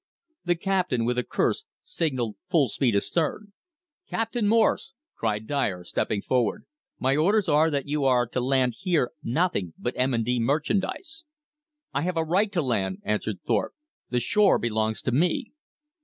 The captain, with a curse, signalled full speed astern. "Captain Morse!" cried Dyer, stepping forward. "My orders are that you are to land here nothing but M. & D. merchandise." "I have a right to land," answered Thorpe. "The shore belongs to me."